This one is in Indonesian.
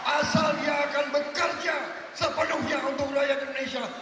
asal dia akan bekerja sepenuhnya untuk rakyat indonesia